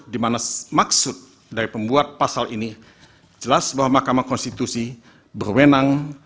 dimana maksud dari pembuat pasal ini jelas bahwa mahkamah konstitusi berwenang